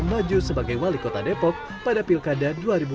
maju sebagai wali kota depok pada pilkada dua ribu dua puluh